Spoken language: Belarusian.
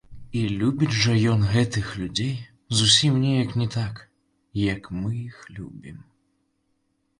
І любіць жа ён гэтых людзей зусім неяк не так, як мы іх любім.